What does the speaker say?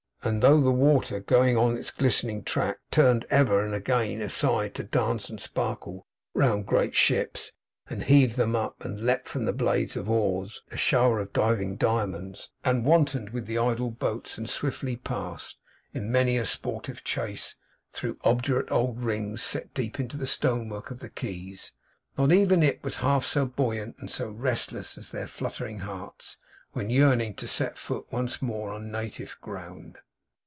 And though the water going on its glistening track, turned, ever and again, aside to dance and sparkle round great ships, and heave them up; and leaped from off the blades of oars, a shower of diving diamonds; and wantoned with the idle boats, and swiftly passed, in many a sportive chase, through obdurate old iron rings, set deep into the stone work of the quays; not even it was half so buoyant, and so restless, as their fluttering hearts, when yearning to set foot, once more, on native ground.